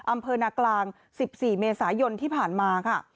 อำเภอนากลาง๑๔เมษายนที่ผ่านมาค่ะ